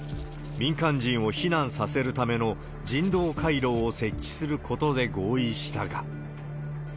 民間人を避難させるための人道回廊を設置することで合意したが。